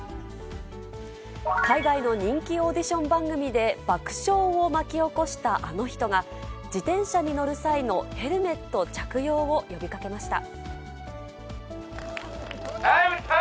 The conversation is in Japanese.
海外の人気オーディション番組で、爆笑を巻き起こしたあの人が、自転車に乗る際のヘルメット着用を呼びかけました。